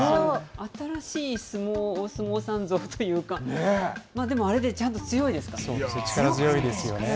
新しいお相撲さん像というかあれでちゃんと強いですから。